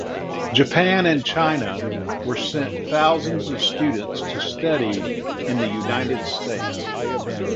Japan and China were sent thousands of students to study in the United States.